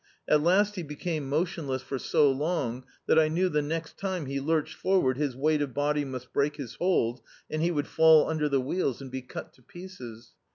At last he became motionless for so long that I knew the next time he lurched forward his weight of body must break his hold, and he would fall under the wheels and be cut to pieces.